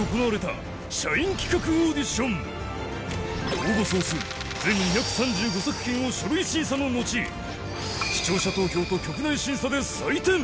応募総数全２３５作品を書類審査ののち視聴者投票と局内審査で採点